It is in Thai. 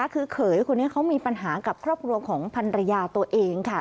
คือเขยคนนี้เขามีปัญหากับครอบครัวของพันรยาตัวเองค่ะ